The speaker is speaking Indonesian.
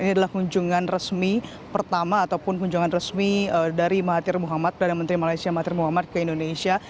ini adalah kunjungan resmi pertama ataupun kunjungan resmi dari mahathir muhammad perdana menteri malaysia mahathir muhammad ke indonesia